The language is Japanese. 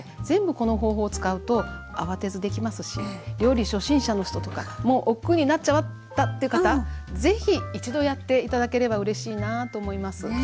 全部この方法を使うとあわてずできますし料理初心者の人とかもうおっくうになっちゃったっていう方是非一度やって頂ければうれしいなと思います。